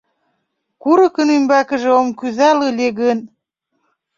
Курыкын ӱмбакыже ом кӱзал ыле гын